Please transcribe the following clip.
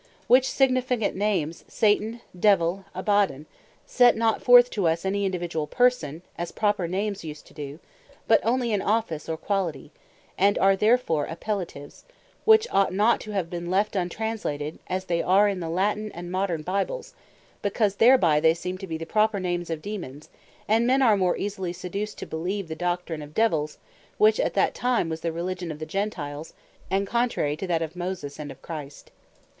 Which significant names, Satan, Devill, Abbadon, set not forth to us any Individuall person, as proper names use to doe; but onely an office, or quality; and are therefore Appellatives; which ought not to have been left untranslated, as they are, in the Latine, and Modern Bibles; because thereby they seem to be the proper names of Daemons; and men are the more easily seduced to beleeve the doctrine of Devills; which at that time was the Religion of the Gentiles, and contrary to that of Moses, and of Christ.